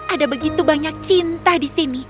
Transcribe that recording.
ada begitu banyak cinta di sini